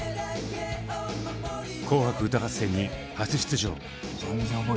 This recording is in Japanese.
「紅白歌合戦」に初出場。